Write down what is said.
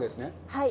はい。